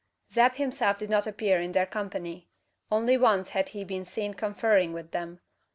Zeb himself did not appear in their company. Only once had he been seen conferring with them.